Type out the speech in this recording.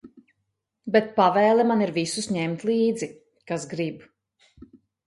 Bet pavēle man ir visus ņemt līdzi, kas grib.